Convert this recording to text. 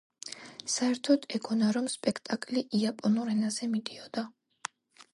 საერთოდ ეგონა რომ სპექტაკლი იაპონურ ენაზე მიდიოდა.